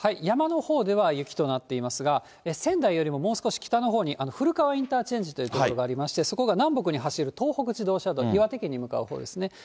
山のほうでは雪となっていますが、仙台よりももう少し北のほうにふるかわインターチェンジという所がありまして、そこが南北に走る東北自動車道、岩手県に向かうほうですね。